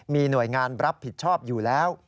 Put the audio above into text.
มีหน่วยงานรับผิดชอบอยู่แล้ว